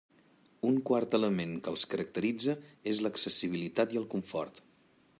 Un quart element que els caracteritza és l'accessibilitat i el confort.